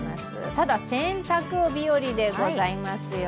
ただ、洗濯日和でございますよ。